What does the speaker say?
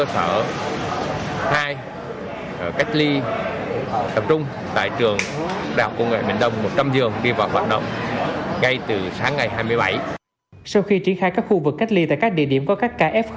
sau khi triển khai các khu vực cách ly tại các địa điểm có các kf